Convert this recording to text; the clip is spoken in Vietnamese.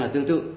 là tương tự